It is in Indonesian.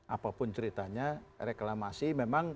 apapun ceritanya reklamasi memang